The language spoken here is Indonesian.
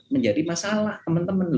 menjadi masalah teman teman